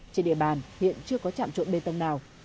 trên địa bàn hiện chưa có trạm trộn bê tông nào